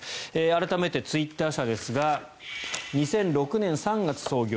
改めて、ツイッター社ですが２００６年３月創業。